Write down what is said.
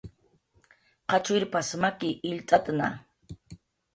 "qachwirp""as maki, illt'atna"